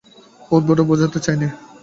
ও উদ্ভট বুঝাতে চায়নি।